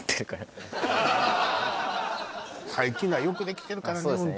最近のはよくできてるからね